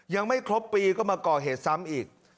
ยังไม่ครบปีก็มาก่อเหตุซ้ำอีก